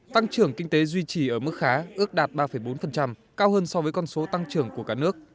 tăng trưởng kinh tế duy trì ở mức khá ước đạt ba bốn cao hơn so với con số tăng trưởng của cả nước